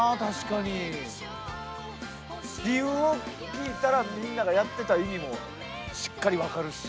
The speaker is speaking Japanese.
理由を聞いたらみんながやってた意味もしっかり分かるし。